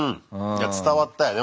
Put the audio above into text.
いや伝わったよね